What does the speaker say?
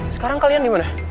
sekarang kalian dimana